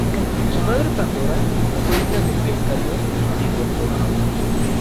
Su madre Pandora fue hija de Deucalión y Pirra.